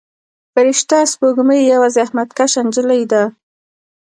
فرشته سپوږمۍ یوه زحمت کشه نجلۍ ده.